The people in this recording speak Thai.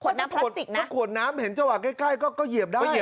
ถ้าขวดน้ำเพราะเห็นชวากใกล้เขาก็เหยียบได้